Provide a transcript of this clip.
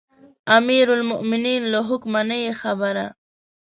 امیرالمؤمنین له حکمه نه یې خبره.